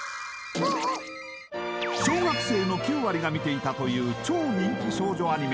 小学生の９割が見ていたという超人気少女アニメ